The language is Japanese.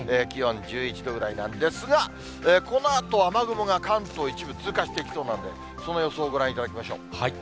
気温１１度ぐらいなんですが、このあと、雨雲が関東、一部通過していきそうなんで、その様子をご覧いただきましょう。